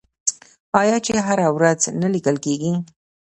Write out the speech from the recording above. آیا چې هره ورځ نه لیکل کیږي؟